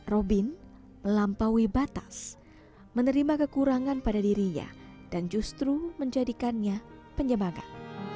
robin melampaui batas menerima kekurangan pada dirinya dan justru menjadikannya penyemangat